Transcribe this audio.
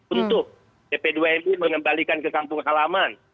untuk bp dua mi mengembalikan ke kampung salaman